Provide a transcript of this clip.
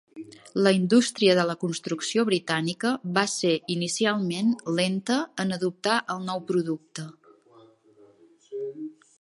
La indústria de la construcció britànica va ser inicialment lenta en adoptar el nou producte.